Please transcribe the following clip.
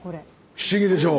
不思議でしょう。